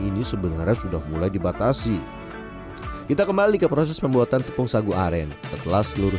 ini sebenarnya sudah mulai dibatasi kita kembali ke proses pembuatan tepung sagu aren setelah seluruh